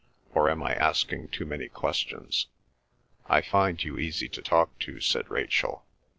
Or am I asking too many questions?" "I find you easy to talk to," said Rachel.